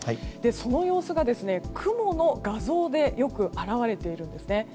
その様子が雲の画像でよく表れているんですね。